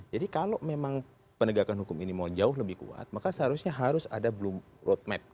jadi kalau memang penegakan hukum ini mau jauh lebih kuat maka seharusnya harus ada road map